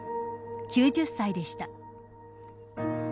９０歳でした。